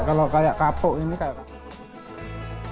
kalau kayak kapuk ini kayak